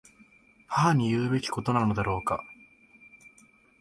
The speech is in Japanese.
母に言うべきことなのだろうか。